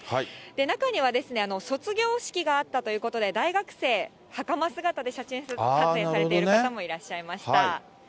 中にはですね、卒業式があったということで、大学生、はかま姿で写真撮影されている方もいらっしゃいました。